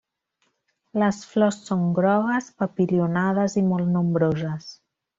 Les flors són grogues, papilionades i molt nombroses.